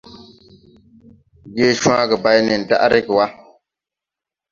Je cwage bay nen daʼ reege wa.